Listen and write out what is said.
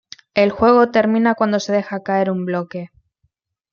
El juego termina cuando se deja caer un bloque.